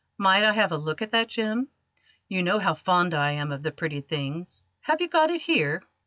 Might I have a look at that gem? You know how fond I am of the pretty things. Have you got it here?"